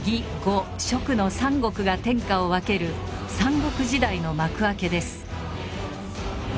蜀の三国が天下を分ける三国時代の幕開けです。